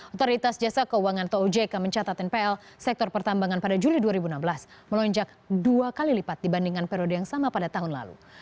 otoritas jasa keuangan atau ojk mencatat npl sektor pertambangan pada juli dua ribu enam belas melonjak dua kali lipat dibandingkan periode yang sama pada tahun lalu